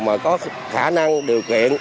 mà có khả năng điều kiện